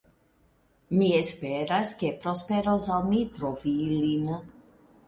Mi esperas, ke prosperos al mi trovi ilin.